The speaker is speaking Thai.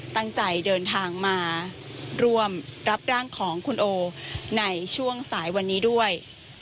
ตั้งใจเดินทางมาร่วมรับร่างของคุณโอในช่วงสายวันนี้ด้วย